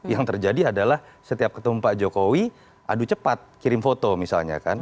yang terjadi adalah setiap ketemu pak jokowi adu cepat kirim foto misalnya kan